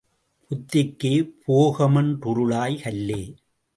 புத்திக்கே போகமென் றுருளாய் கல்லே!